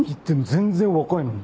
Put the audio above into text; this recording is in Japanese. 全然若いのに。